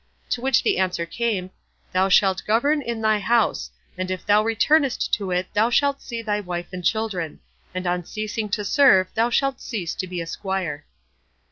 To which the answer came, "Thou shalt govern in thy house; and if thou returnest to it thou shalt see thy wife and children; and on ceasing to serve thou shalt cease to be a squire."